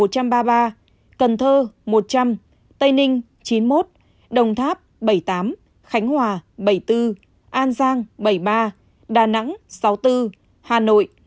cần thơ một trăm linh tây ninh chín mươi một đồng tháp bảy mươi tám khánh hòa bảy mươi bốn an giang bảy mươi ba đà nẵng sáu mươi bốn hà nội